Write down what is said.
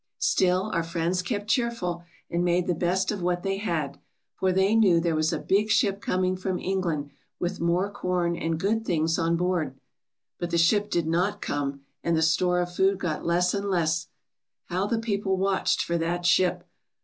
"Still our friends kept cheerful and made the best of what they had, for they knew there was a big ship coming from England with more corn and good things on board. "But the ship did not come, and the store of food got less and less. "How the people watched for that ship!